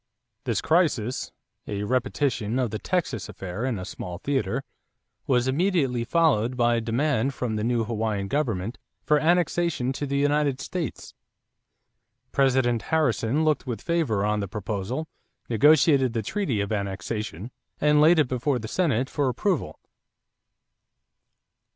This crisis, a repetition of the Texas affair in a small theater, was immediately followed by a demand from the new Hawaiian government for annexation to the United States. President Harrison looked with favor on the proposal, negotiated the treaty of annexation, and laid it before the Senate for approval.